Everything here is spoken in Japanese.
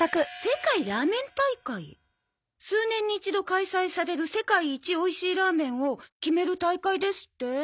「世界拉麺大会」数年に一度開催される世界一おいしいラーメンを決める大会ですって。